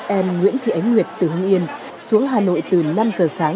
em nguyễn thị ánh nguyệt từ hưng yên xuống hà nội từ năm giờ sáng